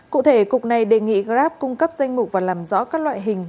cụ thể cục này đề nghị grab cung cấp danh mục và làm rõ các loại hình